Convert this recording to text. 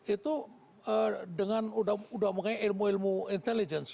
itu dengan udah makanya ilmu ilmu intelligence